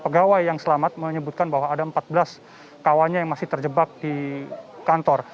pegawai yang selamat menyebutkan bahwa ada empat belas kawannya yang masih terjebak di kantor